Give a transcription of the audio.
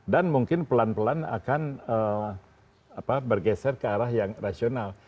dan mungkin pelan pelan akan bergeser ke arah yang rasional